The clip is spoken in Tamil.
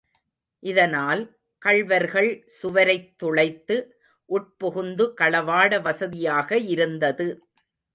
இதனால், கள்வர்கள் சுவரைத் துளைத்து உட்புகுந்து களவாட வசதியாக இருந்தது.